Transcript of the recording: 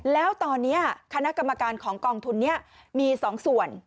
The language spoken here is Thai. แล้วตอนนี้คณะกรรมการของกองทุนนี้มี๒ส่วน